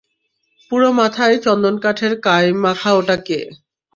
পুরো মাথায় চন্দনকাঠের কাই মাখা ওটা কে?